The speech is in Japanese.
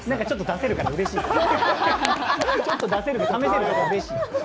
ちょっと出せるからうれしい。